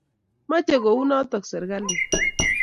Mache kounotok serkalit